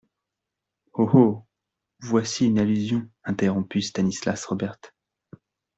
Oh ! oh ! voici une allusion, interrompit Stanislas Robert.